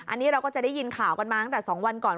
อันนี้เราก็จะได้ยินข่าวกันมาตั้งแต่๒วันก่อน